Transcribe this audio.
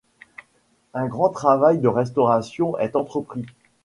Un grand travail de restauration est entrepris.